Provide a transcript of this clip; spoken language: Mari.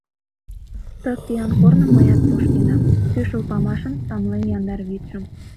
Ты кӱан корным мыят тошкенам, кӱшыл памашын тамлен яндар вӱдшым.